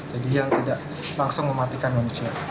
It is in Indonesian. jadi dia tidak langsung mematikan manusia